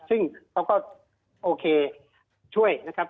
ซึ่งเขาก็โอเคช่วยนะครับ